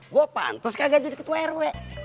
gue pantas kagak jadi ketua rw